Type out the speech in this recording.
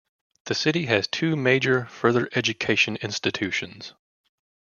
The city has two major further education institutions.